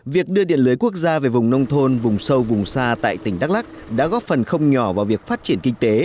việc đưa điện lưới quốc gia về vùng nông thôn vùng sâu vùng xa tại tỉnh đắk lắc đã góp phần không nhỏ vào việc phát triển kinh tế